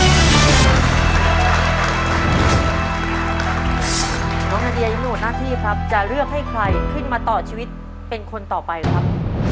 นาเดียยังหมดหน้าที่ครับจะเลือกให้ใครขึ้นมาต่อชีวิตเป็นคนต่อไปครับ